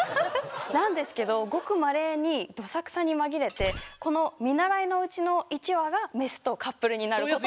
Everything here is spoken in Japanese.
なんですけどごくまれにどさくさに紛れてこの見習いのうちの一羽がメスとカップルになることも。